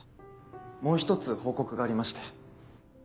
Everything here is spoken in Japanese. もう１つ報告がありまして。